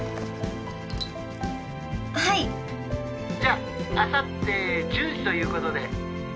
☎じゃああさって１０時ということで。